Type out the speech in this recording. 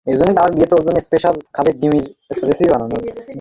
তিনি তৃতীয় কায়সার্লিকার অ্যাডলারডেন পেয়েছিলেন।